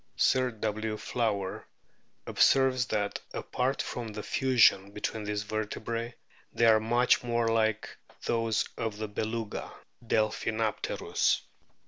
Sir W. Flower observes that apart from the fusion between these vertebrae, they are much like those of the Beluga (Delphinapterus}.